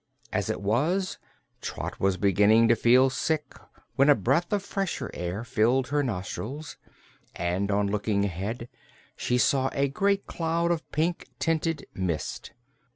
As it was, Trot was beginning to feel sick, when a breath of fresher air filled her nostrils and on looking ahead she saw a great cloud of pink tinted mist.